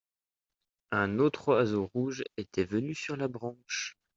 Un autre oiseau rouge était venu sur la branche.